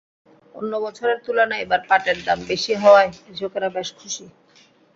অন্য বছরের তুলনায় এবার পাটের দাম বেশি হওয়ায় কৃষকেরা বেশ খুশি।